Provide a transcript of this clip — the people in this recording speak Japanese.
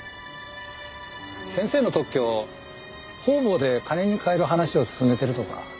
先生の特許方々で金に変える話を進めてるとか。